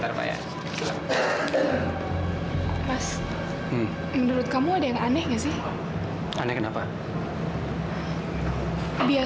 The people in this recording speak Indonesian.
kirimnya untuk tekanan pada kafe kafe